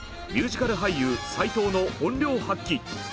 ミュージカル俳優斎藤の本領発揮！